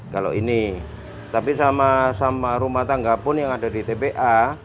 kalau ini tapi sama rumah tangga pun yang ada di tpa